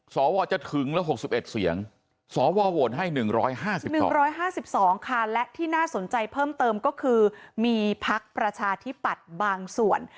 สวจะถึงละ๖๑เสียงสวโหวตให้๑๕๑๕๒ค่ะและที่น่าสนใจเพิ่มเติมก็คือมีพักประชาธิปัตย์บางส่วน